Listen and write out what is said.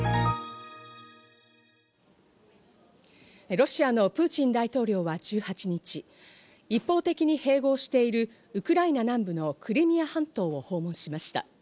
ロシアのプーチン大統領は１８日、一方的に併合しているウクライナ南部のクリミア半島を訪問しました。